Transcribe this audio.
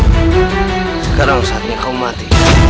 sekarang saat ini kau mati